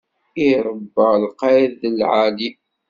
I iṛebba lqayed di leɛli.